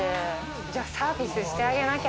じゃあサービスしてあげなきゃ！